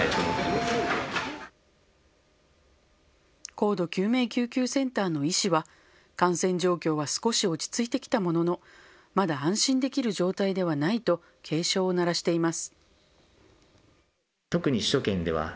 高度救命救急センターの医師は感染状況は少し落ち着いてきたもののまだ安心できる状態ではないと警鐘を鳴らしています。